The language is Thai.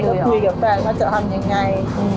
ก็คุยกับแฟนว่าจะทำยังไง